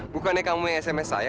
bukan itu ya